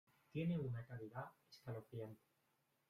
Tiene una calidad escalofriante".